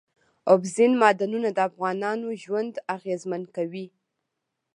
اوبزین معدنونه د افغانانو ژوند اغېزمن کوي.